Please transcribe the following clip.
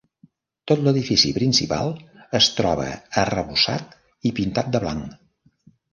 Tot l'edifici principal es troba arrebossat i pintat de blanc.